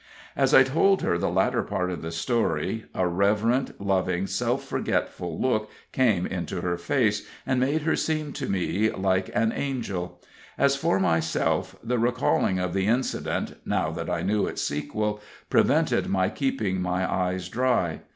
As I told the latter part of the story a reverent, loving, self forgetful look came into her face, and made her seem to me like an angel. As for myself, the recalling of the incident, now that I knew its sequel, prevented my keeping my eyes dry.